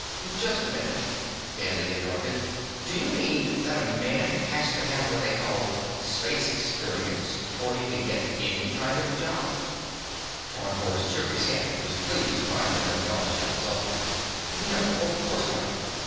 "Just a minute," Danley interrupted. "Do you mean that a man has to have what they call 'space experience' before he can get any kind of job?" Tarnhorst shook his head and was pleased to find that no nausea resulted. "No, of course not.